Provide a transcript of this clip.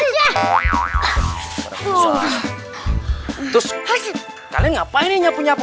terus kalian ngapain nih nyapu nyapu